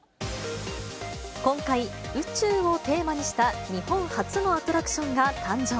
今回、宇宙をテーマにした日本初のアトラクションが誕生。